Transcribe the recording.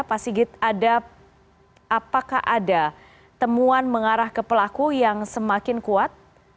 pak sigit apakah ada temuan mengarah ke pelaku yang semakin kuat